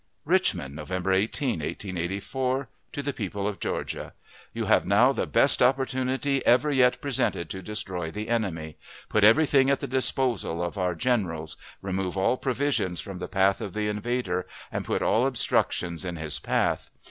RICHMOND, November 18, 1884. To the People of Georgia: You have now the best opportunity ever yet presented to destroy the enemy. Put every thing at the disposal of our generals; remove all provisions from the path of the invader, and put all obstructions in his path.